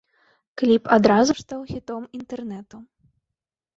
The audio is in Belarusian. Кліп адразу ж стаў хітом інтэрнэту.